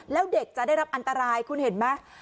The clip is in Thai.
แล้วเด็กจะได้รับอันตรายคุณเห็นไหม